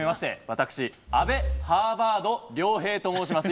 私阿部・ハーバード・亮平と申します。